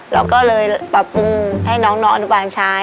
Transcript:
เราก็เลยปรับปรุงให้น้องอนุบาลใช้